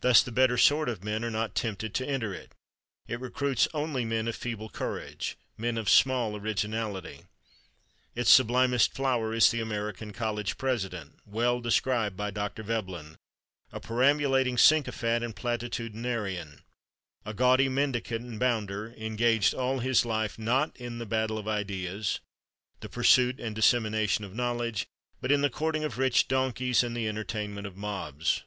Thus the better sort of men are not tempted to enter it. It recruits only men of feeble courage, men of small originality. Its sublimest flower is the American college president, well described by Dr. Veblen—a perambulating sycophant and platitudinarian, a gaudy mendicant and bounder, engaged all his life, not in the battle of ideas, the pursuit and dissemination of knowledge, but in the courting of rich donkeys and the entertainment of mobs....